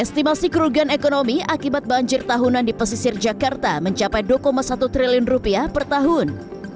estimasi kerugian ekonomi akibat banjir tahunan di pesisir jakarta mencapai dua satu triliun rupiah per tahun